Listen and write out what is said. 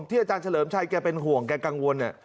อาจารย์เฉลิมชัยแกเป็นห่วงแกกังวลเนี่ย